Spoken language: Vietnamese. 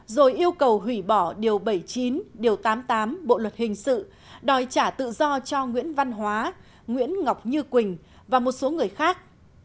rồi yêu cầu hủy bỏ điều bảy mươi chín điều tám mươi tám bộ luật hình sự đòi trả tự do cho nguyễn văn hóa nguyễn ngọc như quỳnh và một số người khác